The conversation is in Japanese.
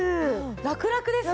ラクラクですね。